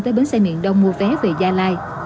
tới bến xe miền đông mua vé về gia lai